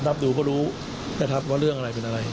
รับดูก็รู้นะครับว่าเรื่องอะไรเป็นอะไร